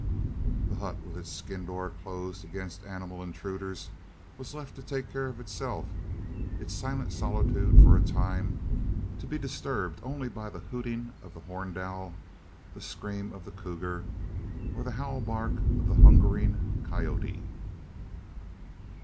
The hut, with its skin door closed against animal intruders, was left to take care of itself; its silent solitude, for a time, to be disturbed only by the hooting of the horned owl, the scream of the cougar, or the howl bark of the hungering coyote.